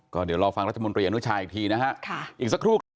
ก็เดี๋ยวรอฟังรัฐมนตรีอนุชาอีกทีนะฮะอีกสักครู่ครับ